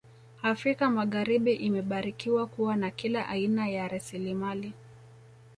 Afrika magharibi imebarikiwa kuwa na kila aina ya rasilimali